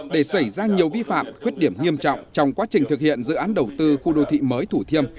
để xảy ra nhiều vi phạm khuyết điểm nghiêm trọng trong quá trình thực hiện dự án đầu tư khu đô thị mới thủ thiêm